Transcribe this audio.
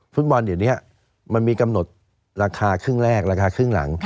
ฟุตบอลเดี๋ยวนี้มันมีกำหนดราคาครึ่งแรกราคาครึ่งหลัง